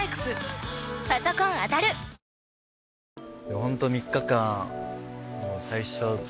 ホント３日間。